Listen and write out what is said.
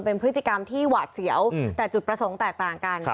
เป็นพฤติกรรมที่หวาดเสียวแต่จุดประสงค์แตกต่างกัน